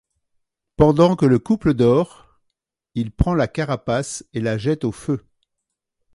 Pendant que le couple dort, il prend la carapace et la jette au feu.